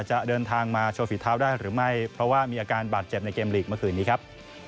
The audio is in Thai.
จะเดินทางมาโชว์ฝีเท้าได้หรือไม่เพราะว่ามีอาการบาดเจ็บในเกมลีกเมื่อคืนนี้ครับ